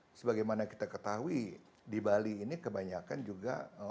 nah sebab sebagaimana kita ketahui di bali ini kebanyakan orang orang yang berpengalaman